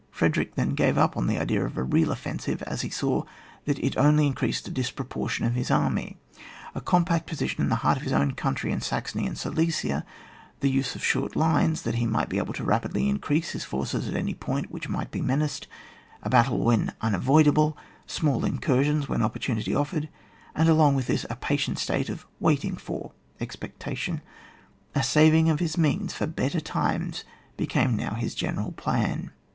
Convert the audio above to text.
Frederick then gave up all idea of a real offensive, as he saw that it only increased the disproportion of his army. A compact position in the heart of his own countiy in Saxony and Silesia, the use of short lines, that he might be able rapidly to increase his forces at any ppmt which might be menaced, a battle when unavoidable, small incursions when opportunity offered, and along with this a patient state of waiting for (expecta tion), a saving of his means for better times became now his general plan.